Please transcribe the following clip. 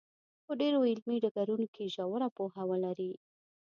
په ډېرو علمي ډګرونو کې ژوره پوهه ولري.